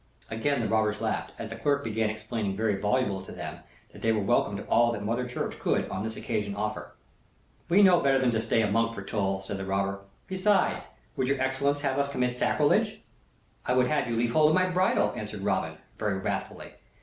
Again the robbers laughed, as the clerk began explaining very volubly to them that they were welcome to all that Mother Church could on this occasion offer. "We know better than to stay a monk for toll," said the robber. "Beside, would your excellence have us commit sacrilege?" "I would have you leave hold of my bridle," answered Robin, very wrathfully.